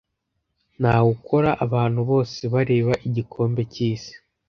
Ntawe ukora. Abantu bose bareba Igikombe cyisi.